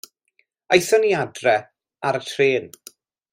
Aethon ni i adra ar y trên.